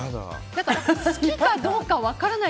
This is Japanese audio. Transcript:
好きかどうか分からない